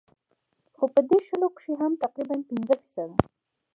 خو پۀ دې شلو کښې هم تقريباً پنځه فيصده